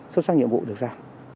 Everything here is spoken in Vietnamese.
xuất sắc nhiệm vụ được ra